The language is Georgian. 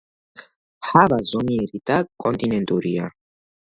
ჰავა ზომიერი და კონტინენტურია.